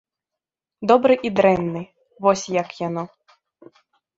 Добры і дрэнны, вось як яно.